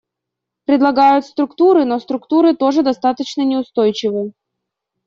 Предлагают структуры, но структуры тоже достаточно неустойчивы.